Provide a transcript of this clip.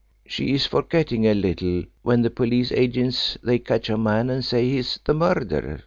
She is forgetting a little when the police agents they catch a man and say he is the murderer.